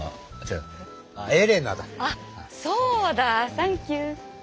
あそうだ！サンキュー。